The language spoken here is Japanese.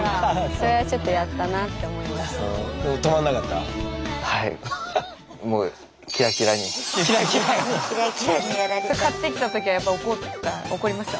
それ買った時はやっぱ怒りました？